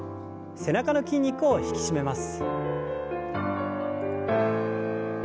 背中の筋肉を引き締めます。